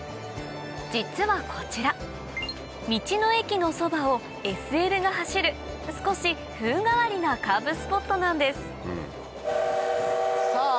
実はこちら道の駅のそばをＳＬが走る少し風変わりなカーブスポットなんですさぁ